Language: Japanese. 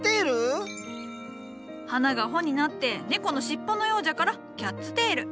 花が穂になって猫の尻尾のようじゃからキャッツテール。